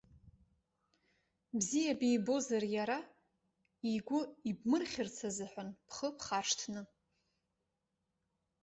Бзиа бибозар иара, игәы ибмырхьырц азыҳәан, бхы бхаршҭны.